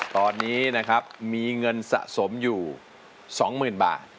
ตอนนี้นะครับมีเงินสะสมอยู่๒๐๐๐บาท